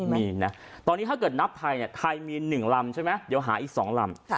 มีนะตอนนี้ถ้าเกิดนับไทยไทยมี๑ลำใช่ไหมเดี๋ยวหาอีก๒ลำ